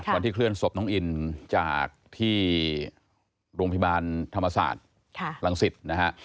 วันที่เคลื่อนศพน้องอินจากที่โรงพิบาลธรรมศาสตร์หลังศิษย์